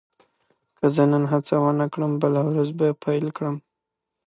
که زه نن هڅه ونه کړم، بله ورځ به پیل کړم.